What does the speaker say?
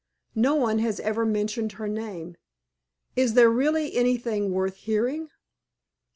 No one has ever mentioned her name. Is there really anything worth hearing?"